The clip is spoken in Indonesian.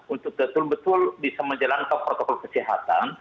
untuk betul betul bisa menjalankan protokol kesehatan